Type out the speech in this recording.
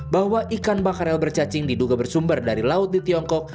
bahwa ikan bakarel bercacing diduga bersumber dari laut di tiongkok